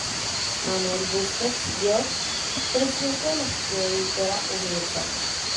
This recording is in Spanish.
Manuel Busquets George, presidente de la Sociedad Editora Universal.